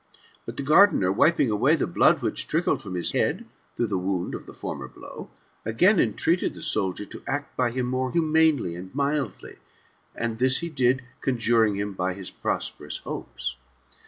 But the gardener, wiping away the blood which trickled from his head, through the wound of the former blow, again entreated the soldier to act by him more humanely and mildly ; and this he did, conjuring him by his prosperous hopes.